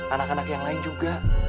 anak anak yang lain juga